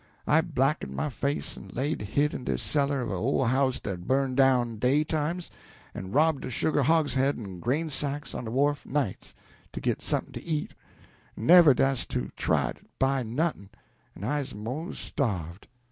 I blacked my face en laid hid in de cellar of a ole house dat's burnt down, daytimes, en robbed de sugar hogsheads en grain sacks on de wharf, nights, to git somethin' to eat, en never dast to try to buy noth'n', en I's 'mos' starved.